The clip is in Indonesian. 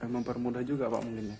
mempermudah juga pak mungkin ya